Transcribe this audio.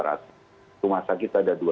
rumah sakit ada dua